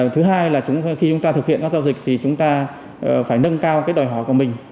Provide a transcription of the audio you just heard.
thứ hai là khi chúng ta thực hiện các giao dịch thì chúng ta phải nâng cao cái đòi hỏi của mình